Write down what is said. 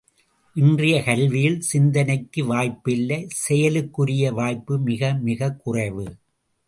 இன்றைய கல்வியில் சிந்தனைக்கு வாய்ப்பில்லை செயலுக்குரிய வாய்ப்பு மிக மிகக் குறைவு.